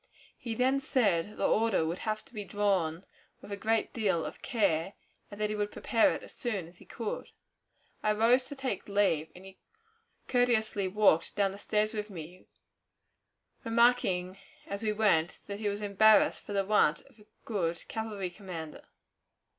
He then said the order would have to be drawn with a great deal of care, and that he would prepare it as soon as he could. I arose to take leave, and he courteously walked down the stairs with me, remarking as we went that he was embarrassed for the want of a good cavalry commander.